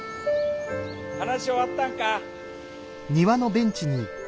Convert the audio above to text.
話終わったんか？